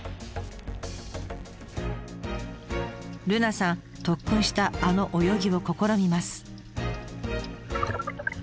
瑠奈さん特訓したあの泳ぎを試みます。